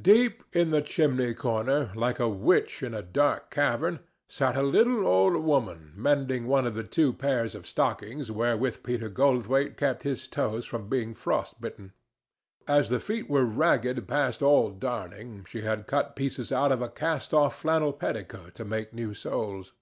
Deep in the chimney corner, like a witch in a dark cavern, sat a little old woman mending one of the two pairs of stockings wherewith Peter Goldthwaite kept his toes from being frost bitten. As the feet were ragged past all darning, she had cut pieces out of a cast off flannel petticoat to make new soles.